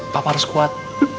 papa harus kuat